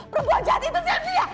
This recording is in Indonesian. perempuan jahat itu sylvia